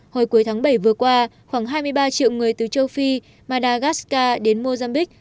hồi cuối tháng bảy vừa qua khoảng hai mươi ba triệu người từ châu phi madagascar đến mozambique